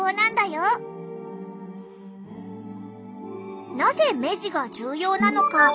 実はなぜ目地が重要なのか？